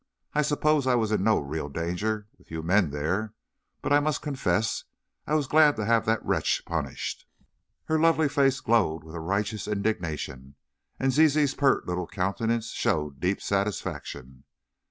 I suppose I was in no real danger, with you men there, but I must confess I was glad to have that wretch punished." Her lovely face glowed with righteous indignation, and Zizi's pert little countenance showed deep satisfaction.